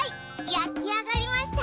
やきあがりました！